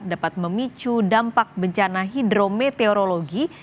dapat memicu dampak bencana hidrometeorologi